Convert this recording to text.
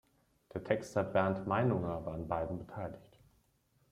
Der Texter Bernd Meinunger war an beiden beteiligt.